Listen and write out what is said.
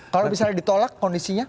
kalau misalnya ditolak kondisinya